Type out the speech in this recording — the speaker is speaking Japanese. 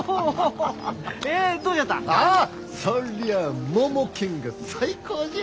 ああそりゃあモモケンが最高じゃ。